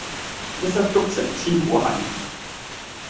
一失足成千古恨